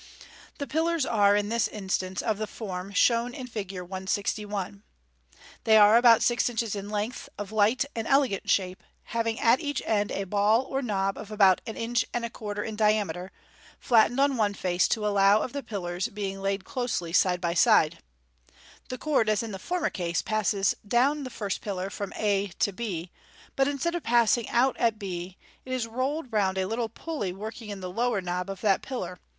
The pillars are, in this instance, of the form shown in Fig. 161. They are about six inches in length, of light and elegant shape, having at each end a ball or knob of about an inch and a quarter in diameter, flattened on one face to allow of the pillars being laid closely side by side* The cord, as in the former case, passes down the first pillar from a to b, but instead of pass ing out at b, it is rolled round a little pulley working in the lower knob of that pillar.